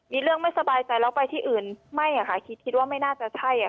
มีเรื่องไม่สบายใจแล้วไปที่อื่นไม่ค่ะคิดคิดว่าไม่น่าจะใช่ค่ะ